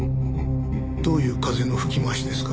どういう風の吹き回しですか？